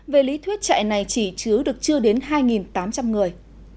về lý thuyết trại này chỉ chứa được chưa đến hai tám trăm linh người